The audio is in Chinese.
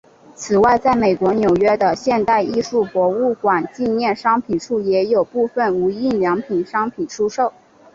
此外在美国纽约的现代艺术博物馆纪念商品处也有部份无印良品商品出售。